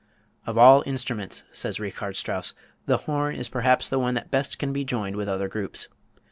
"Of all instruments," says Richard Strauss, "the horn is perhaps the one that best can be joined with other groups.